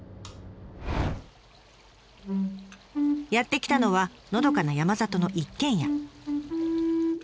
やって来たのはのどかな山里の一軒家。